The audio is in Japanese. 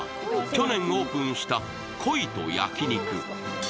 去年オープンした「恋と、焼肉」。